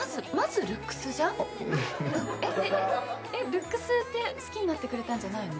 ルックスで好きになってくれたんじゃないの？